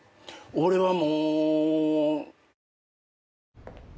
俺はもう。